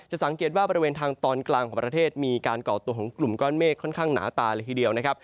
สังเกตว่าบริเวณทางตอนกลางของประเทศมีการก่อตัวของกลุ่มก้อนเมฆค่อนข้างหนาตาเลยทีเดียวนะครับ